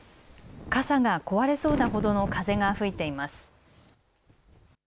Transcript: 傘が壊れそうなほどの風が吹いています。